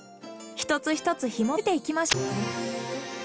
一つ一つひもといていきましょう。